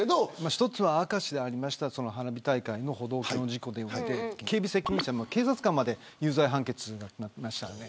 一つは明石であった花火大会の歩道橋の事故で警備責任者、警察官まで有罪判決になりましたので。